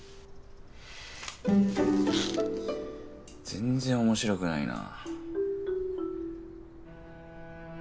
全然面白くないな。